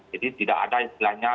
jadi tidak ada istilahnya